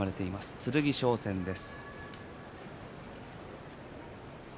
剣翔戦です。